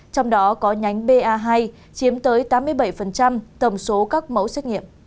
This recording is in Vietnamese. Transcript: trong đó có nhánh ba hai chiếm tới tám mươi bảy tầm số các mẫu xét nghiệm